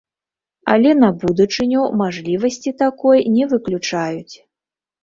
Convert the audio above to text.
Але на будучыню мажлівасці такой не выключаюць.